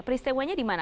peristiwanya di mana